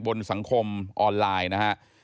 บนสังคมออนไลน์นะฮะ